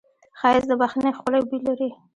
ښایست د بښنې ښکلی بوی لري